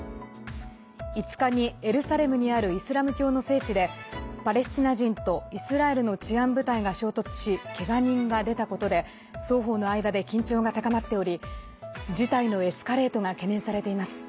５日にエルサレムにあるイスラム教の聖地でパレスチナ人とイスラエルの治安部隊が衝突しけが人が出たことで双方の間で緊張が高まっており事態のエスカレートが懸念されています。